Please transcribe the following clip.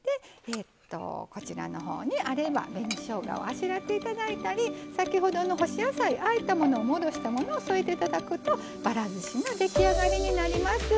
こちらのほうにあれば紅しょうがをあしらっていただいたり先ほどの干し野菜あえたものを戻したものを添えていただくとばらずしが出来上がりになります。